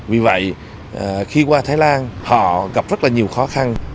vì vậy khi qua thái lan họ gặp rất là nhiều khó khăn